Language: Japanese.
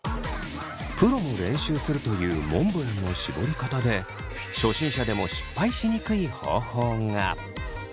プロも練習するというモンブランの絞り方で初心者でも失敗しにくい方法が。